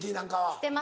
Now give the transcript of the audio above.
捨てます。